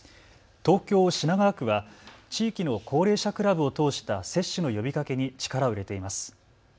東京品川区は地域の高齢者クラブを通した接種の呼びかけに力を入れています。